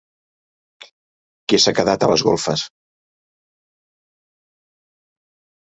Que s'ha quedat a les golfes?